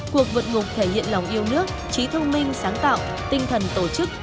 cuộc vận ngục thể hiện lòng yêu nước trí thông minh sáng tạo tinh thần tổ chức